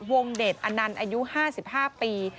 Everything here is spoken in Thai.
เดชอนันต์อายุ๕๕ปี